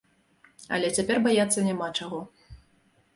Але цяпер баяцца няма чаго.